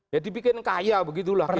ya dibikin kaya begitulah kira kira